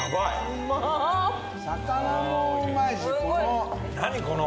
魚もうまいしこの。